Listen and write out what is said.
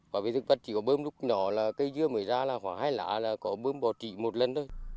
bảo vệ thực vật chỉ có bơm lúc nhỏ là cây dưa mới ra là khoảng hai lạ là có bơm bò trị một lần thôi